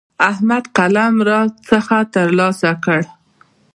احمد قلم راڅخه تر لاسه کړ.